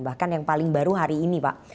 bahkan yang paling baru hari ini pak